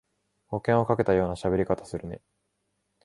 保険をかけたようなしゃべり方するね